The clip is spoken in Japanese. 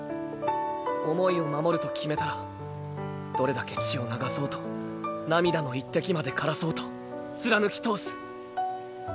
思いを守ると決めたらどれだけ血を流そうと涙の１滴までからそうと貫き通す。